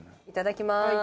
いただきます。